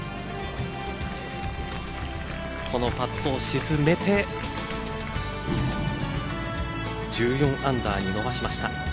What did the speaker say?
このパットを沈めて１４アンダーに伸ばしました。